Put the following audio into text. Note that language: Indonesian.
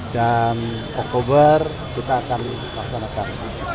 dan oktober kita akan laksanakan